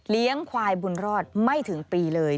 เลี้ยงควายบุญรอดไม่ถึงปีเลย